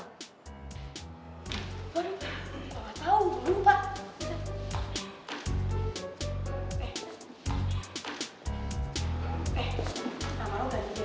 nama lo gak di channel roger ya